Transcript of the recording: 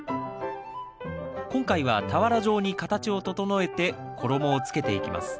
今回は俵状に形を整えて衣をつけていきます。